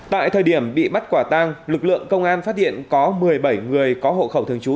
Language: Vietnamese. tại thời điểm bị bắt quả tang lực lượng công an phát hiện có một mươi bảy người có hộ khẩu thường trú